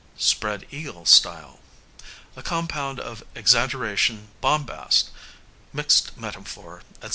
Spread eagle style, a compound of exaggeration, bombast, mixed metaphor, &c.